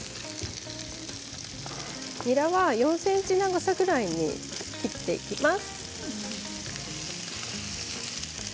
にらは４ｃｍ長さくらいに切っていきます。